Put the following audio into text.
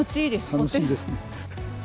楽しいですね。